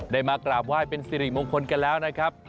มากราบไหว้เป็นสิริมงคลกันแล้วนะครับ